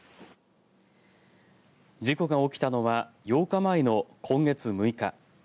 事故が起きたのは８日前の今月６日。